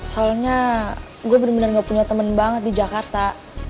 soalnya gue bener bener gak punya temen banget di jakarta